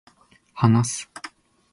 話す